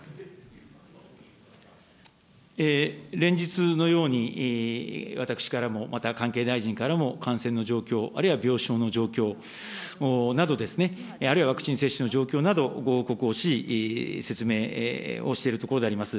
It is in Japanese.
連日のように私からも、また関係大臣からも感染の状況、あるいは病床の状況など、あるいはワクチン接種の状況などご報告をし、説明をしているところであります。